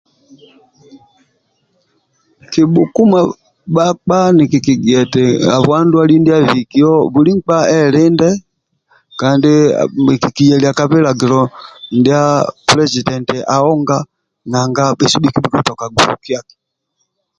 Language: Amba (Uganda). Kibhukuma bkapa nikikigia eti habwa ndwali ndia abikio buli nkpa elinde nikiyelia ka bilagilo ndi pulezidenti aonga nanga bhesu bhikibhi kitoka gulukia